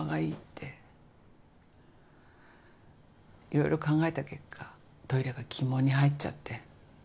いろいろ考えた結果トイレが鬼門に入っちゃって。